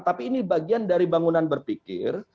tapi ini bagian dari bangunan berpikir